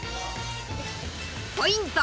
ポイント！